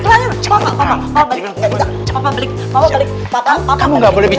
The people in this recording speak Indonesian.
aduh ini pada dari klient